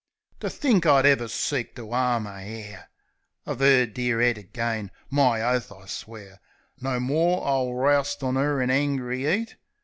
To think I'd ever seek to 'arm a 'air Of 'er dear 'ead agen ! My oath, I swear ' No more I'll roust on 'er in angry 'eat!